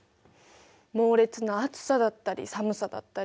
猛烈な暑さだったり寒さだったり。